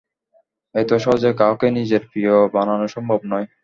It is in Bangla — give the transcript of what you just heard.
এত সহজেই কাউকে, নিজের প্রিয় বানানো সম্ভব নয়।